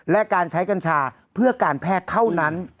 และการใช้กัญชาเพื่อการแพทย์เท่านั้น